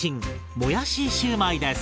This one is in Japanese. もやしシューマイです！